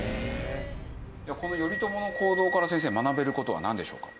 この頼朝の行動から先生学べる事はなんでしょうか？